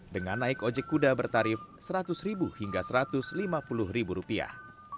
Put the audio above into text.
dengan naik ojek kuda bertarif seratus ribu hingga satu ratus lima puluh ribu rupiah